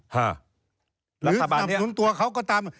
หรือสนับสนุนตัวเขาก็ตาม